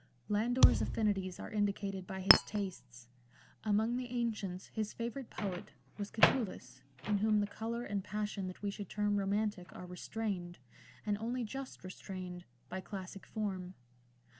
Landor's affinities are indicated by his tastes. Among the ancients his favourite poet was Catullus, in whom the colour and passion that we should term romantic are restrained — and only just restrained — by classic form.